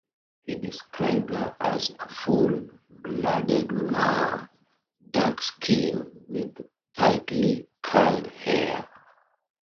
He described her as a full-blooded Moor, dark-skinned with tightly curled hair.